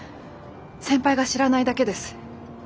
先輩が知らないだけです。